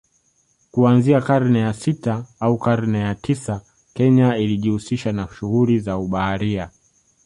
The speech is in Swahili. Kuanzia karne ya sita au karne ya tisa Kenya ilijihusisha na shughuli za ubaharia